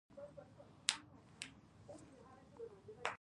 شپېته سلنه خلک لا نالوستي دي.